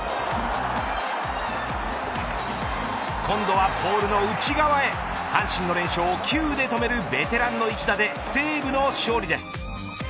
今度はポールの内側へ阪神の連勝を９で止めるベテランの一打で西武の勝利です。